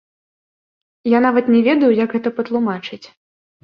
Я, нават, не ведаю, як гэта патлумачыць.